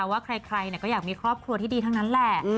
ว่าใครก็อยากมีครอบครัวที่ดีทั้งนั้นแหละ